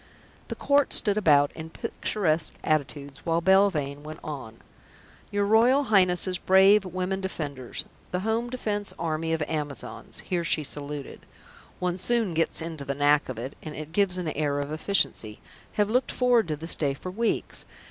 The Court stood about in picturesque attitudes while Belvane went on: "Your Royal Highness's brave Women Defenders, the Home Defence Army of Amazons" (here she saluted; one soon gets into the knack of it, and it gives an air of efficiency) "have looked forward to this day for weeks.